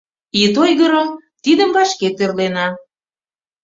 Ит ойгыро, тидым вашке тӧрлена.